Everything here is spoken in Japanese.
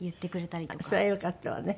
それはよかったわね。